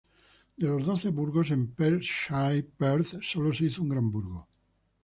De los doce burgos en Perthshire, Perth sólo se hizo un gran burgo.